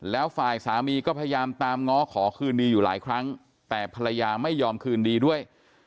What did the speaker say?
แล้วฝ่ายสามีก็พยายามตามง้อขอคืนดีอยู่หลายครั้งแต่ภรรยาไม่ยอมคืนดีด้วย